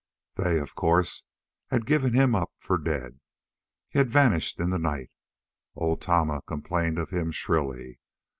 They, of course, had given him up for dead. He had vanished in the night. Old Tama complained of him shrilly.